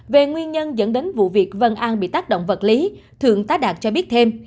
về nguyên nhân dẫn đến vụ việc vân an bị tác động vật lý thượng tá đạt cho biết thêm